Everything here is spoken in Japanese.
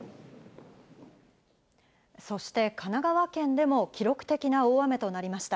そして、神奈川県でも記録的な大雨となりました。